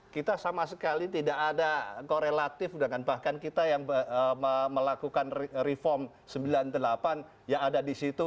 kita sama sekali tidak ada korelatif dengan bahkan kita yang melakukan reform sembilan puluh delapan yang ada di situ